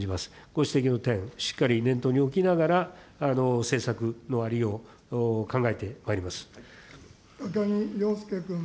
ご指摘の点、しっかり念頭に置きながら、政策のありようを考えて高木陽介君。